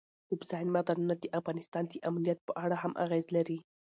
اوبزین معدنونه د افغانستان د امنیت په اړه هم اغېز لري.